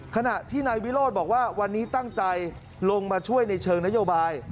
ขณะที่นายวิโรธบอกว่าวันนี้ตั้งใจลงมาช่วยในเชิงนโยบาย